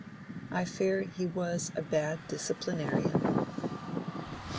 I fear he was a bad disciplinarian.